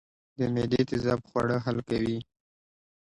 د معدې تیزاب خواړه حل کوي